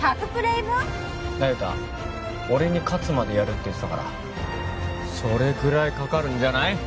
那由他俺に勝つまでやるって言ってたからそれくらいかかるんじゃない？